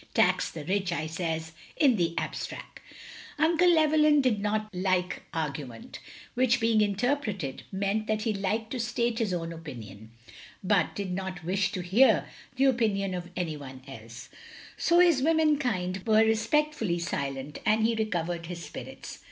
"Tax the rich, I says — in the abstrack." Uncle Llewelljm did not like argument; which being interpreted, meant that he liked to state his own opinion, but did not wish to hear the OF GROSVENOR SQUARE 143 opinion of any one else; so his womenkind were respectfully silent, and he recovered his spirits.